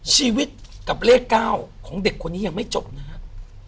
ชีวิตกับเลข๙ของเด็กคนนี้ยังไม่จบนะครับ